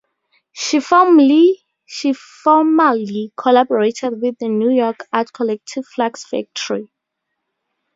She formerly collaborated with the New York art collective Flux Factory.